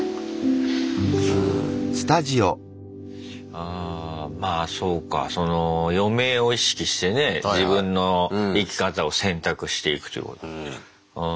ああまあそうか余命を意識してね自分の生き方を選択していくということ。